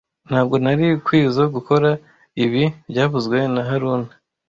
Ntabwo nari nkwizoe gukora ibi byavuzwe na haruna